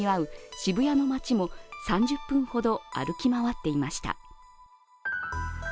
渋谷の街も３０分ほど歩き回っていました。